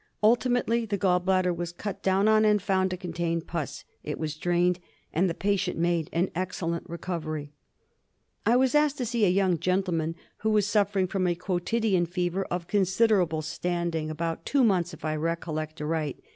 Ultimately the gall bladder was cut down on and found to contain pus. It was drained, and the patient made an excellent recovery. I was asked to see a young gentleman who was suf fering from a quotidian fever of considerable standing — DIAGNOSIS OF MALARIA. 1 59 about two months, if I recollect aright.